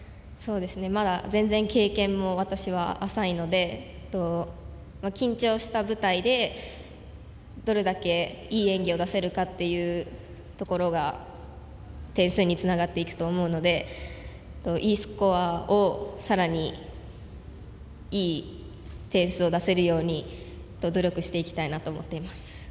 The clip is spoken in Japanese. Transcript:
まだ全然、経験も私は浅いので緊張した舞台でどれだけいい演技が出せるかというところが点数につながっていくと思うのでＥスコアをさらにいい点数を出せるように努力していきたいなと思っています。